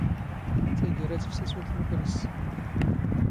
ⵜⴰⴳⴰⵔⴰ ⵜⴼⵙⵉ ⵙⵓⵍ ⵜⵎⵓⴽⵔⵉⵙⵜ.